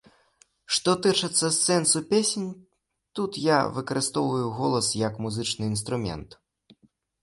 Што тычыцца сэнсу песень, тут я выкарыстоўваю голас як музычны інструмент.